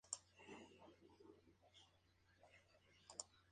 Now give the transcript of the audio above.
Es la segunda jamaiquina en lograr la victoria en el certamen.